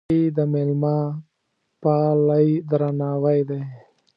چوکۍ د مېلمهپالۍ درناوی دی.